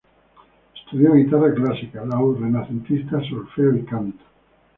Estudió guitarra clásica, laúd renacentista, solfeo y canto.